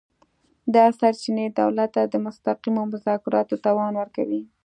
دا سرچینې دولت ته د مستقیمو مذاکراتو توان ورکوي